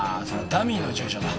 ダミーの住所だ。